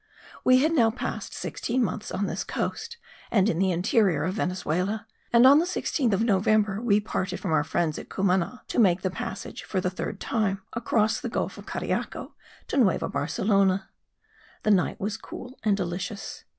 We had now passed sixteen months on this coast and in the interior of Venezuela, and on the 16th of November we parted from our friends at Cumana to make the passage for the third time across the gulf of Cariaco to Nueva Barcelona. The night was cool and delicious.